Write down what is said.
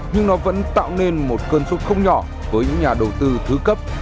nhưng nó vẫn tạo nên một cơn xúc không nhỏ với những nhà đầu tư thứ cấp